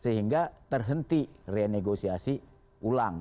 sehingga terhenti renegosiasi ulang